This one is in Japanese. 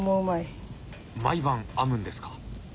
毎晩編むんですか？